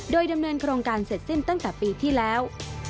โดยดำเนินโครงการเสร็จสิ้นตั้งแต่ปีที่แล้ว